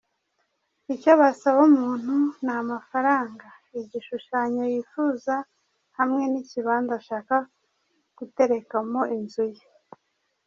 Icyo basaba umuntu ni amafaranga, igishushanyo yifuza hamwe n’ikibanza ashaka guterekamo inzu ye.